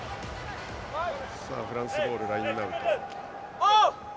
フランスボールのラインアウト。